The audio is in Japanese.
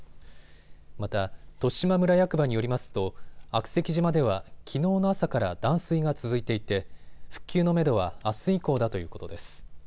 また十島村役場によりますと悪石島では、きのうの朝から断水が続いていて復旧のめどはあす以降だということです。